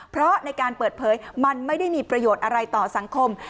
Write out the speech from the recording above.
เพราะในการเปิดเผยมันไม่ได้มีประโยชน์อะไรต่อสังคม